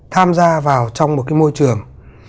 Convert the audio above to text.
tham gia vào trong một cái môi trường